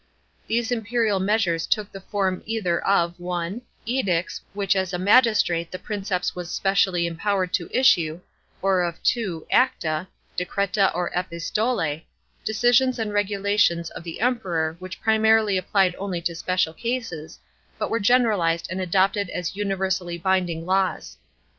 These imperial measures took the form either of (1; edicts, which as a magistrate the Princeps was specially em powered to issue; or of (2) acta (decreta or epistolsi), decisions and regulations of the Emperor which primarily applied only to special cases, but were generalised and adopted as universally binding laws.